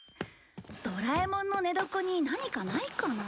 ドラえもんの寝床に何かないかな。